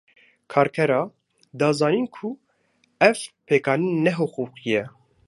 Kerkeran, dan zanîn ku ev pêkanîn ne hiqûqî ye